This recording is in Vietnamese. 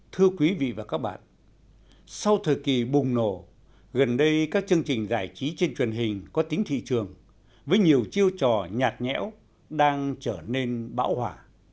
thưa quý vị và các bạn sau thời kỳ bùng nổ gần đây các chương trình giải trí trên truyền hình có tính thị trường với nhiều chiêu trò nhạt nhẽo đang trở nên bão hỏa